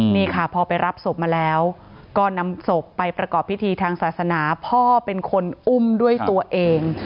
นี่ค่ะพอไปรับศพมาแล้วก็นำศพไปประกอบพิธีทางศาสนาพ่อเป็นคนอุ้มด้วยตัวเอง